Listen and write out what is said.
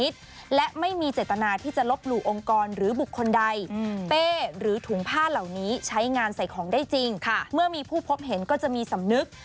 ใส่ของได้จริงเมื่อมีผู้พบเห็นก็จะมีสำนึก